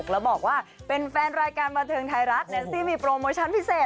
แล้วบอกว่าเป็นแฟนรายการบันเทิงไทยรัฐที่มีโปรโมชั่นพิเศษ